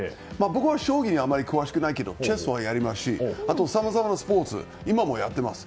僕は将棋にあまり詳しくないけどチェスはやりますしあとはさまざまなスポーツを今もやっています。